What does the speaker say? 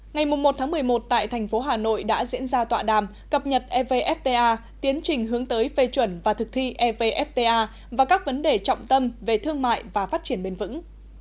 ngày một một mươi một tại thành phố hà nội đã diễn ra tọa đàm cập nhật evfta tiến trình hướng tới phê chuẩn và thực thi evfta và các vấn đề trọng tâm về thương mại và phát triển bền vững